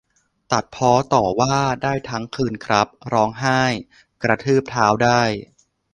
ตัดพ้อต่อว่าได้ทั้งคืนครับ ร้องไห้กระทืบเท้าได้